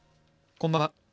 こんばんは。